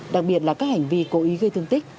đặc biệt là các hành vi cố ý gây thương tích